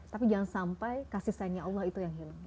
tapi jangan sampai kasih sayangnya allah itu yang hilang